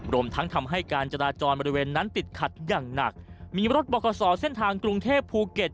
รวมทั้งทำให้การจราจรบริเวณนั้นติดขัดอย่างหนักมีรถบกษอเส้นทางกรุงเทพภูเก็ต